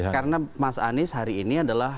karena mas anies hari ini adalah